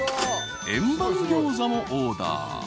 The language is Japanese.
［円盤餃子もオーダー］